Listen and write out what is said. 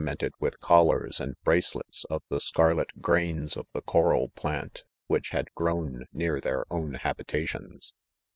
mented with collars and bracelets of the scar* let 'grains' of the ' coral plant which/had grown near their own Habitations.